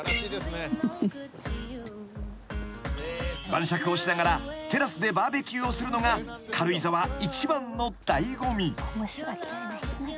［晩酌をしながらテラスでバーベキューをするのが軽井沢一番の醍醐味］